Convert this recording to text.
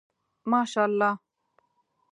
ماشاءالله